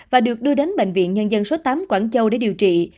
và được đưa đến bệnh viện nhân dân số tám quảng châu để điều trị